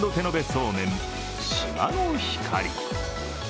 そうめん島の光。